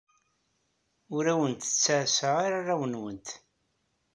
Ur awent-ttɛassaɣ arraw-nwent.